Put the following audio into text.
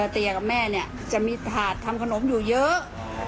เตียกับแม่เนี่ยจะมีถาดทำขนมอยู่เยอะ